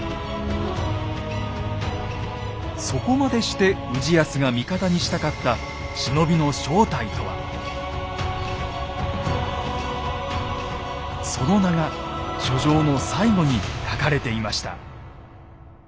そこまでして氏康が味方にしたかったその名が書状の最後に書かれていました。